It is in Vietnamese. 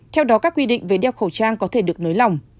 theo đó các quy định về đeo khẩu trang có thể được nới lỏng